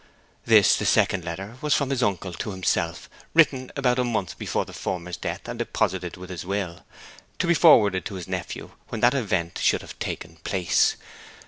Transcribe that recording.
This, the second letter, was from his uncle to himself, written about a month before the former's death, and deposited with his will, to be forwarded to his nephew when that event should have taken place.